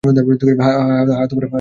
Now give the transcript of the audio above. হ্যাঁ, ঐটাই!